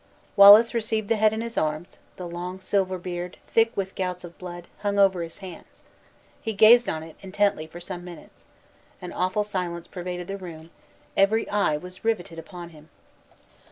Wallace received the head in his arms; the long silver beard, thick with gouts of blood, hung over his hands. He gazed on it, intently, for some minutes. An awful silence pervaded the room; every eye was riveted upon him.